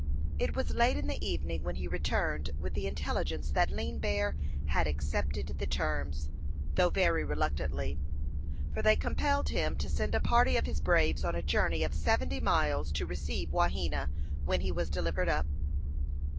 It was late in the evening when he returned with the intelligence that Lean Bear had accepted the terms, though very reluctantly, for they compelled him to send a party of his braves on a journey of seventy miles to receive Wahena when he was delivered up.